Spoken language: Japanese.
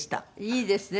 いいですね。